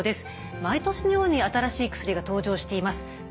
毎年のように新しい薬が登場しています。